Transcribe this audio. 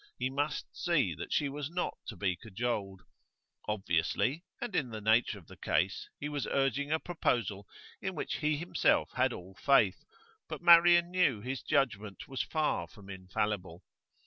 He must see that she was not to be cajoled. Obviously, and in the nature of the case, he was urging a proposal in which he himself had all faith; but Marian knew his judgment was far from infallible.